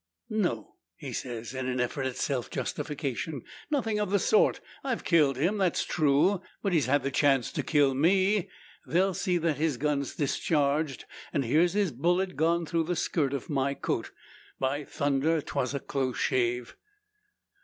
"No!" he says, in an effort at self justification. "Nothing of the sort. I've killed him; that's true; but he's had the chance to kill me. They'll see that his gun's discharged; and here's his bullet gone through the skirt of my coat. By thunder, 'twas a close shave!"